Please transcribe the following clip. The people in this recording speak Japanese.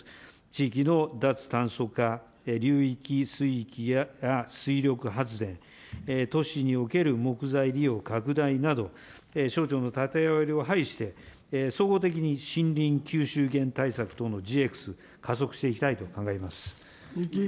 地域の脱炭素化、流域水域や水力発電、都市における木材利用拡大など、省庁の縦割りを排して、総合的に森林吸収源対策等のＧＸ、加速していきたいと考えます。